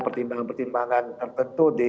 pertimbangan pertimbangan tertentu di